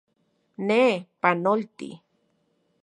Ne, ¡panolti!